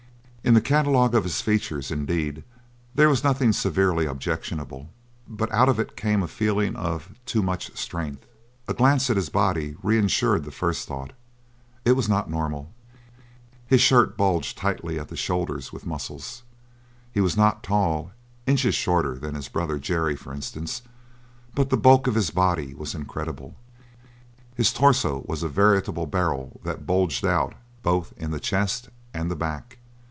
In the catalogue of his features, indeed, there was nothing severely objectionable; but out of it came a feeling of too much strength! A glance at his body reinsured the first thought. It was not normal. His shirt bulged tightly at the shoulders with muscles. He was not tall inches shorter than his brother Jerry, for instance but the bulk of his body was incredible. His torso was a veritable barrel that bulged out both in the chest and the back.